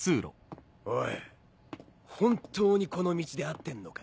おい本当にこの道で合ってんのか？